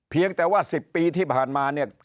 เพียงแต่ว่า๑๐ปีที่ผ่านมาเนี่ย